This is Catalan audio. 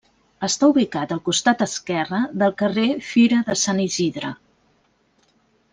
Està ubicat al costat esquerre del carrer Fira de Sant Isidre.